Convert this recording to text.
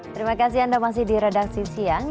terima kasih anda masih di redaksi siang